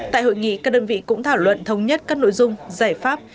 tại hội nghị các đơn vị cũng thảo luận thống nhất các nội dung giải pháp